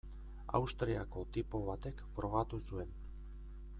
Austriako tipo batek frogatu zuen.